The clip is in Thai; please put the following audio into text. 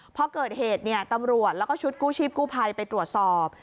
พอเกิดเหตุตำรวจแล้วก็ชุดกู้ชีพกู้ภัยไปตรวจสอบ